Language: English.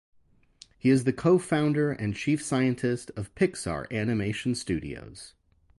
He is co-founder and chief scientist of Pixar Animation Studios.